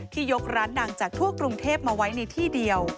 ยกร้านดังจากทั่วกรุงเทพมาไว้ในที่เดียว